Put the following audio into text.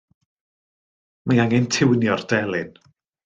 Mae angen tiwnio'r delyn.